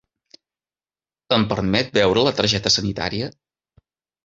Em permet veure la targeta sanitària?